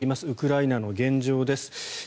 ウクライナの現状です。